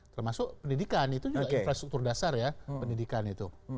termasuk pendidikan itu juga infrastruktur dasar ya pendidikan itu